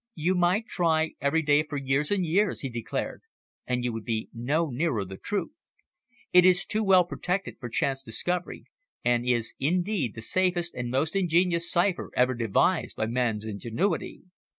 "You might try every day for years and years," he declared, "and you would be no nearer the truth. It is too well protected for chance discovery, and is, indeed, the safest and most ingenious cipher ever devised by man's ingenuity."